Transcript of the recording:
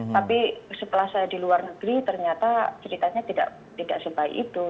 tapi setelah saya di luar negeri ternyata ceritanya tidak sebaik itu